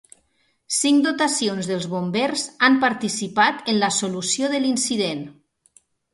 Cinc dotacions dels bombers han participat en la solució de l’incident.